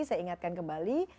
saya ingatkan kembali